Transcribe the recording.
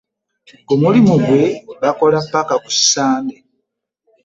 Ku mulimu gwe bakola ppaka ku Ssande.